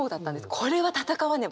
これは闘わねば！